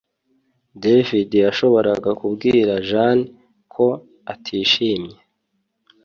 David yashoboraga kubwira Jane ko atishimye